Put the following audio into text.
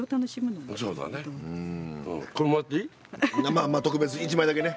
まあ特別に１枚だけね。